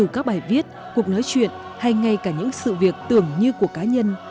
các bài viết cuộc nói chuyện hay ngay cả những sự việc tưởng như của cá nhân